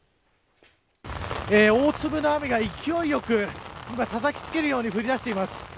大粒の雨が勢いよくたたきつけるように降りだしています。